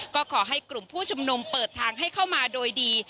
ก็ขอให้กลุ่มผู้ชุมนุมเปิดทางให้เข้ามาโดยดี